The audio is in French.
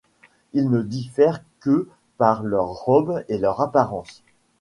Ils ne diffèrent que par leur robe et leur apparence.